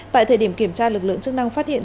tại thời điểm kiểm tra lực lượng chức năng phát hiện